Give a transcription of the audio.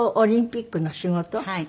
はい。